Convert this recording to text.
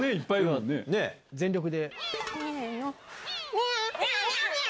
全力で。